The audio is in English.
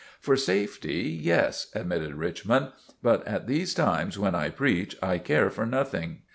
"For safety, yes," admitted Richmond; "but at these times when I preach, I care for nothing.